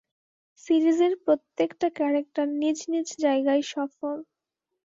সিরিজের প্রত্যেকটা ক্যারেক্টার নিজ নিজ জায়গায় সফল।